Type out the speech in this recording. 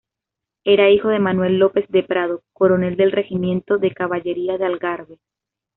Era hijo de Manuel López de Prado, Coronel del Regimiento de Caballería de Algarve.